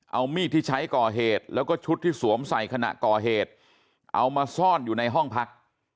เอามีดที่ใช้ก่อเหตุแล้วก็ชุดที่สวมใส่ขณะก่อเหตุเอามาซ่อนอยู่ในห้องพัก